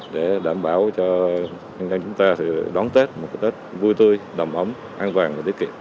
để đảm bảo cho nhân dân chúng ta đón tết một tết vui tươi đầm ấm an toàn